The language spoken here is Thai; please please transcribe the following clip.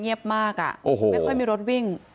เงียบมากไม่ค่อยมีรถวิ่ง